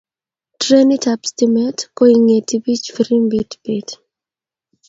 trenit ab stimet ko ingeti pich firimbit peet